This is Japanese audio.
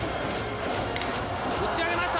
打ち上げました。